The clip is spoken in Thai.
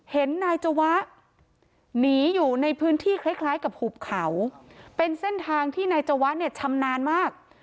เห็นนายจวะหนีอยู่ในพื้นที่คล้ายกับหุบเขาเป็นเส้นทางที่นายจวะเนี่ยชำนาญมาก